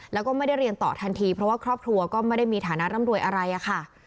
แล้วก็ไม่ได้เรียนต่อทันทีเพราะว่าครอบครัวก็ไม่ได้มีฐานะร่ำรวยอะไรอะค่ะ